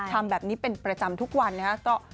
ทำแบบนี้เป็นประจำทุกวันนะครับ